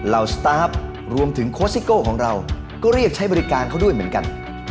สตาร์ฟรวมถึงโค้ชซิโก้ของเราก็เรียกใช้บริการเขาด้วยเหมือนกัน